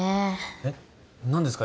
えっ何ですか？